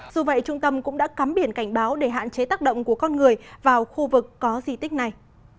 dù vậy trung tâm cũng đã cắm biển cảnh báo để hạn chế tác động của con người vào khu vực có di tích này